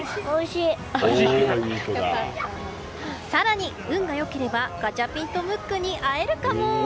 更に運が良ければガチャピンとムックに会えるかも。